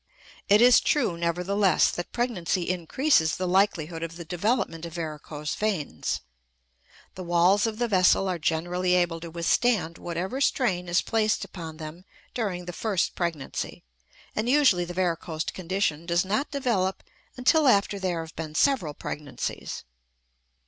It is true, nevertheless, that pregnancy increases the likelihood of the development of varicose veins. The walls of the vessel are generally able to withstand whatever strain is placed upon them during the first pregnancy, and usually the varicosed condition does not develop until after there have been several pregnancies.